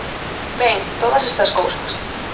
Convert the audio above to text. Ben, todas estas cousas.